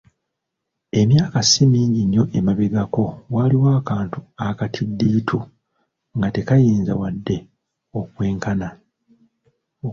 Emyaka si mingi nnyo emabegako waliwo akantu akatiddiitu nga tekayinza wadde okwenkana